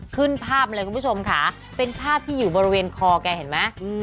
ภาพเลยคุณผู้ชมค่ะเป็นภาพที่อยู่บริเวณคอแกเห็นไหม